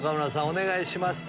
お願いします。